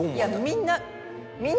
みんな。